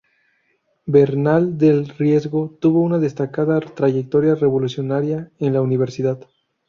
Bernal del Riesgo tuvo una destacada trayectoria revolucionaria en la Universidad.